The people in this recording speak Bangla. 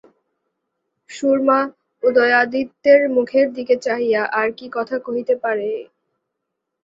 সুরমা উদয়াদিত্যের মুখের দিকে চাহিয়া আর কি কথা কহিতে পারে?